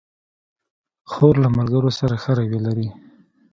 خور له ملګرو سره ښه رویه لري.